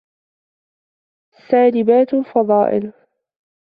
سَالِبَاتُ الْفَضَائِلِ